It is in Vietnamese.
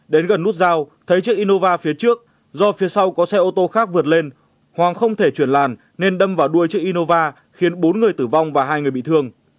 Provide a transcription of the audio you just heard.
đến gần nút giao thấy chiếc innova phía trước do phía sau có xe ô tô khác vượt lên hoàng không thể chuyển làn nên đâm vào đuôi chiếc innova khiến bốn người tử vong và hai người bị thương